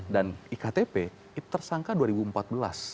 dan iktp tersangka